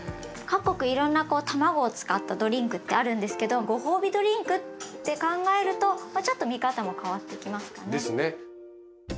各国いろんなこうたまごを使ったドリンクってあるんですけどご褒美ドリンクって考えるとまあちょっと見方も変わってきますかね。ですね。